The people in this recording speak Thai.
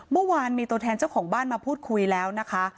เมื่อวานมีตัวแทนเจ้าของบ้านมาพูดคุยแล้วนะคะ